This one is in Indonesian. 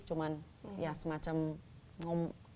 cuma ya semacam ngomong